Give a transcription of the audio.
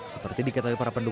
seperti dikatakan para penduduk